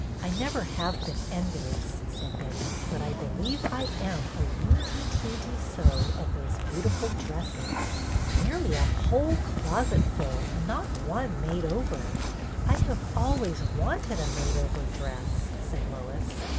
I never have been envious," said Betty, "but I believe I am a weenty teenty so of those beautiful dresses. Nearly a whole closet full and not one made over !"" I have always wanted a made over dress," said Lois.